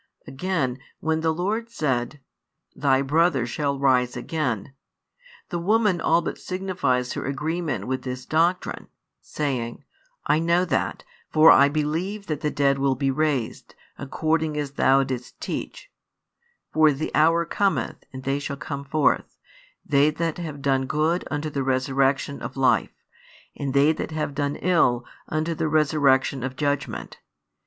Again when the Lord said: Thy brother shall rise again, the woman all but signifies her agreement with this doctrine, saying: "I know that; for I believe that the dead will be raised, according as Thou didst teach: For the hour cometh, and they shall come forth; they that have done good, unto the resurrection of life; and they that have done ill, unto the resurrection of judgment.